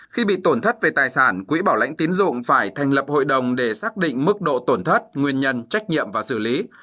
khi bị tổn thất về tài sản quỹ bảo lãnh tiến dụng phải thành lập hội đồng để xác định mức độ tổn thất nguyên nhân trách nhiệm và xử lý